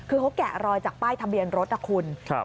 คือเขาแกะรอยจากป้ายทะเบียนรถนะคุณ